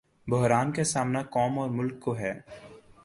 بحران کا سامنا قوم اورملک کو ہے۔